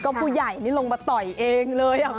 ผู้ใหญ่นี่ลงมาต่อยเองเลย